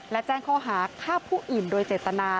และแจ้งข้อหาฆ่าผู้อื่นโดยเจตนา